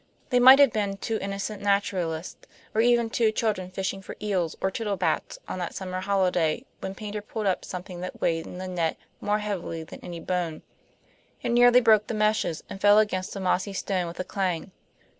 They might have been two innocent naturalists, or even two children fishing for eels or tittlebats on that summer holiday when Paynter pulled up something that weighed in the net more heavily than any bone. It nearly broke the meshes, and fell against a mossy stone with a clang.